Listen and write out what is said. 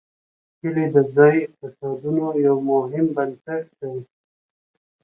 کلي د ځایي اقتصادونو یو مهم بنسټ دی.